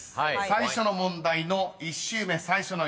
［最初の問題の１周目最初の４人］